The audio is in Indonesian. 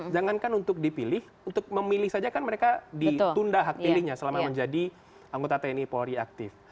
jangankan untuk dipilih untuk memilih saja kan mereka ditunda hak pilihnya selama menjadi anggota tni polri aktif